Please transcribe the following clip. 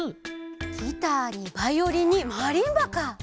ギターにバイオリンにマリンバか！